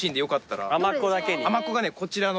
甘っこがねこちらの。